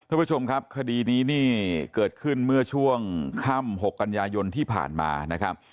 ท่านผู้ชมครับคดีนี้นี่เกิดขึ้นเมื่อช่วงค่ำ๖กันยายนที่ผ่านมานะครับ